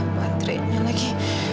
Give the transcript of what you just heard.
baterai nya lagi